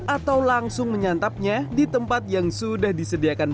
atau langsung menyantapnya di tempat yang sudah disediakan